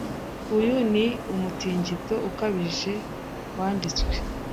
Uyu ni umutingito ukabije wanditswe.